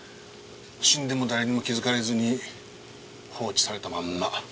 死んでも誰にも気づかれずに放置されたまんま。